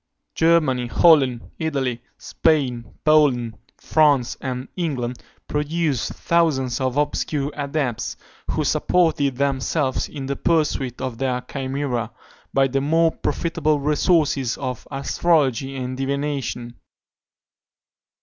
Germany, Holland, Italy, Spain, Poland, France, and England produced thousands of obscure adepts, who supported themselves, in the pursuit of their chimera, by the more profitable resources of astrology and divination.